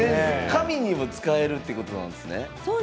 紙にも使えるということなんですね。